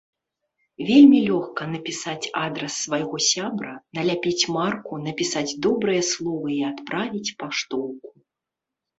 Вельмі лёгка напісаць адрас свайго сябра, наляпіць марку, напісаць добрыя словы і адправіць паштоўку.